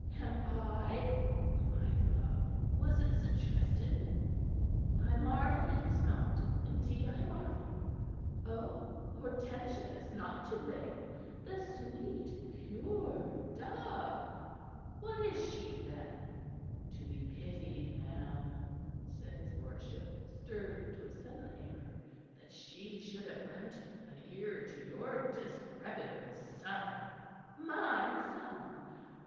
"Am I?" "My love! Was it suggested?" "I marvel it was not. Indeed, I marvel! Oh, Hortensia is not to blame, the sweet, pure dove! What is she, then?" "To be pitied, ma'am," said his lordship, stirred to sudden anger, "that she should have lent an ear to your disreputable son." "My son?